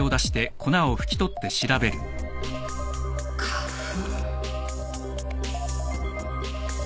花粉！？